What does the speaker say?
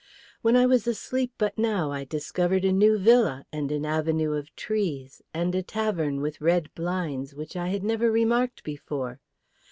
When I was asleep but now, I discovered a new villa, and an avenue of trees, and a tavern with red blinds which I had never remarked before.